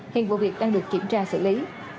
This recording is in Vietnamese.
hiện vụ việc đang được kiểm tra xử lý